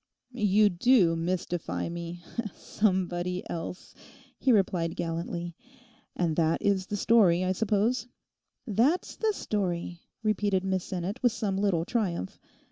'You do mystify me—"somebody else"!' he replied gallantly. 'And that is the story, I suppose?' 'That's the story,' repeated Miss Sinnet with some little triumph.